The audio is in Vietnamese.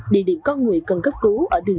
địa điểm con người cần cấp cứu